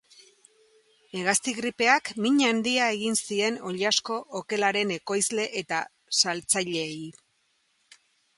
Hegazti gripeak min handia egin zien oilasko okelaren ekoizle eta saltzaileei.